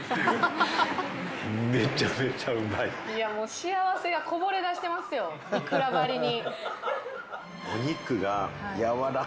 幸せがこぼれ出してますよ、いくらばりに。